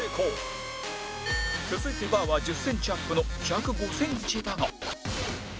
続いてバーは１０センチアップの１０５センチだが